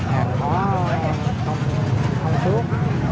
hàng hóa không xuất